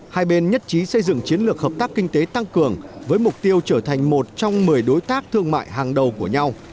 hai bên nhất trí xây dựng chiến lược hợp tác kinh tế tăng cường với mục tiêu trở thành một trong một mươi đối tác thương mại hàng đầu của nhau